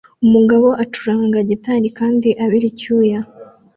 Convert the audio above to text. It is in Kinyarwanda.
Umugabo acuranga gitari kandi abira icyuya